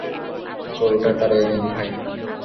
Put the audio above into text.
গরুটা তাড়িয়ে দিন ভাই।